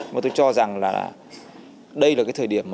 mà tôi cho rằng là đây là cái thời điểm